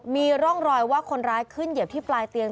มีร่องรอยว่าคนร้ายขึ้นเหยียบที่ปลายเตียง